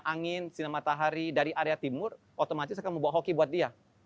angin sinar matahari dari area timur otomatis akan membawa hoki buat dia